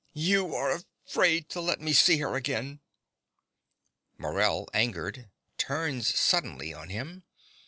You are afraid to let me see her again. (Morell, angered, turns suddenly on him.